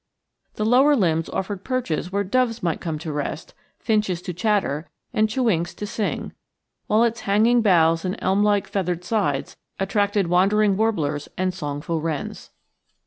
The lower limbs offered perches where doves might come to rest, finches to chatter, and chewinks to sing; while its hanging boughs and elm like feathered sides attracted wandering warblers and songful wrens.